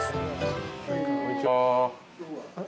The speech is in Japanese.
こんにちは。